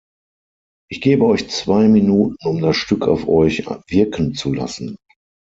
Ich gebe euch zwei Minuten, um das Stück auf euch wirken zu lassen.